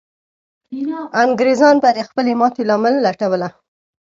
انګریزان به د خپلې ماتې لامل لټوله.